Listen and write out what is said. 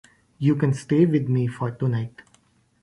You can stay with me for tonight.